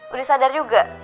udah sadar juga